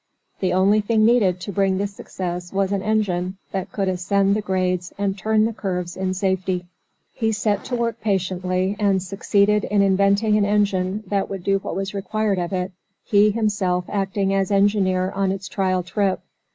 The only thing needed to bring this success was an engine that could ascend the grades and turn the curves in safety. He set to work patiently, and succeeded in inventing an engine that would do what was required of it, he, himself acting as engineer on its trial trip.